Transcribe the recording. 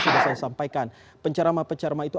sudah saya sampaikan pencerama pencerama itu